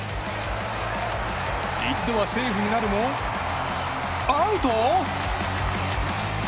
一度はセーフになるもアウト。